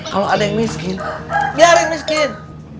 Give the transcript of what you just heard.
kalau ada yang miskin biarin miskin